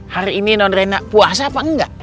hari ini non rena puasa apa enggak